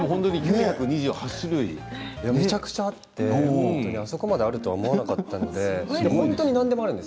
めちゃくちゃあってあそこまであると思わなかったです。